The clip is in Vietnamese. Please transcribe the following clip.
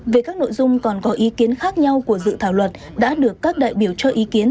về các nội dung còn có ý kiến khác nhau của dự thảo luật đã được các đại biểu cho ý kiến